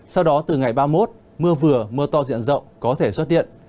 sau đó từ ngày ba mươi một mưa vừa mưa to diện rộng có thể xuất hiện